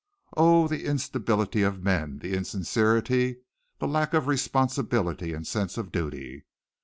Oh, the instability of men, the insincerity, the lack of responsibility and sense of duty.